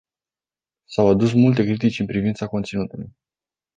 S-au adus multe critici în privința conținutului.